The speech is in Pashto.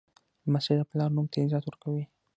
لمسی د پلار نوم ته عزت ورکوي.